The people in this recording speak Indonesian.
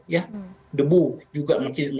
ya debu juga